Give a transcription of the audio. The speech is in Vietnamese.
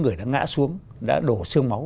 người đã ngã xuống đã đổ sương máu